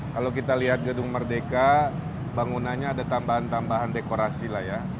kalau kita lihat gedung merdeka bangunannya ada tambahan tambahan dekorasi lah ya